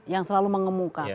yang selalu mengemuka